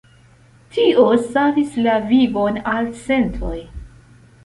Tio savis la vivon al centoj.